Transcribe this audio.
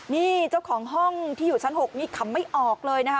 นี่เจ้าของห้องที่อยู่ชั้น๖นี่ขำไม่ออกเลยนะคะ